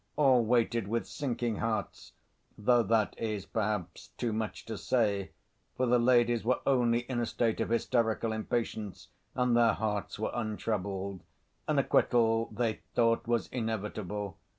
All waited with sinking hearts; though that is, perhaps, too much to say, for the ladies were only in a state of hysterical impatience and their hearts were untroubled. An acquittal, they thought, was inevitable.